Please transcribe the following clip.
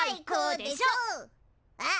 あっ！